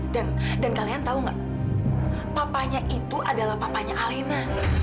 dan dan kalian tahu nggak papanya itu adalah papanya alena